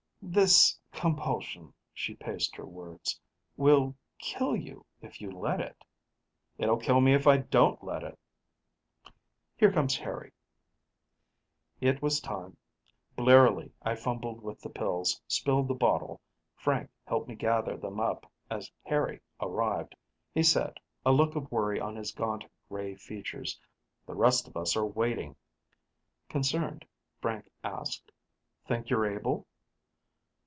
"This compulsion," she paced her words, "will kill you if you let it." "It'll kill me if I don't let it " "Here comes Harry." It was time. Blearily, I fumbled with the pills, spilled the bottle. Frank helped me gather them up, as Harry arrived. He said, a look of worry on his gaunt, gray features, "The rest of us are waiting." Concerned, Frank asked, "Think you're able?"